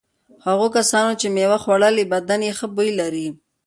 هغو کسانو چې مېوه خوړلي بدن یې ښه بوی لري.